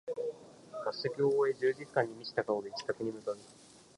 合宿を終え充実感に満ちた顔で自宅に向かう